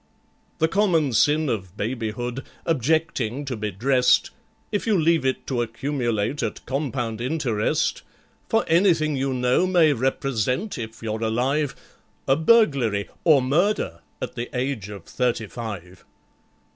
"The common sin of babyhood—objecting to be drest— If you leave it to accumulate at compound interest, For anything you know, may represent, if you're alive, A burglary or murder at the age of thirty five.